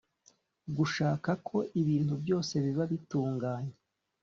Gushaka ko ibintu byose biba bitunganye